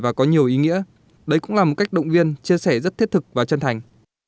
và có nhiều ý nghĩa đấy cũng là một cách động viên chia sẻ rất thiết thực và chân thành